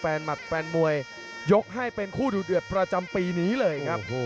หมัดแฟนมวยยกให้เป็นคู่ดูเดือดประจำปีนี้เลยครับ